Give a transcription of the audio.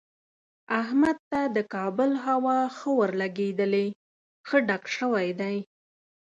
احمد ته د کابل هوا ښه ورلګېدلې، ښه ډک شوی دی.